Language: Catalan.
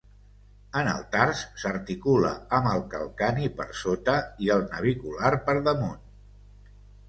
En el tars, s'articula amb el calcani per sota i el navicular per damunt.